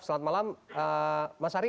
selamat malam mas ari